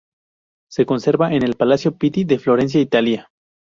Se conserva en el Palacio Pitti de Florencia, Italia.